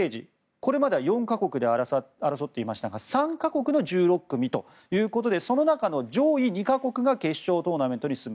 これまでは４か国で争っていましたが３か国の１６組ということでその中の上位２か国が決勝トーナメントに進む。